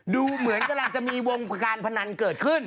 ดูเหมือนกำลังจะมีวงการพนันเกิดขึ้น